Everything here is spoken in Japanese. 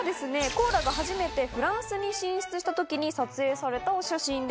コーラが初めてフランスに進出した時に撮影されたお写真です。